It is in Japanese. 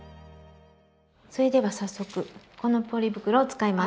それでは早速このポリ袋を使います。